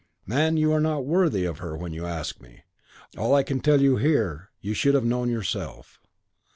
"Man, you are not worthy of her when you ask me. All I can tell you here, you should have known yourself.